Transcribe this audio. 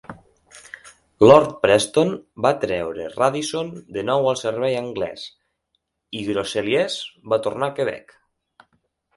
Lord Preston va atreure Radisson de nou al servei anglès i Groseilliers va tornar al Quebec.